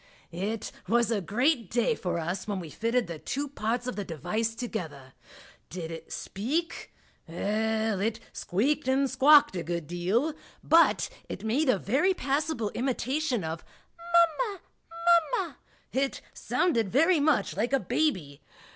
It was a great day for us when we fitted the two parts of the device together. Did it speak? It squeaked and squawked a good deal, but it made a very passable imitation of "Mam ma Mam ma." It sounded very much like a baby.